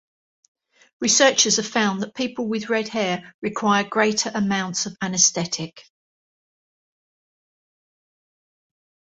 Researchers have found that people with red hair require greater amounts of anesthetic.